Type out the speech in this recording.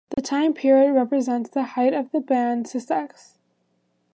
This time period represents the heights of the bands success.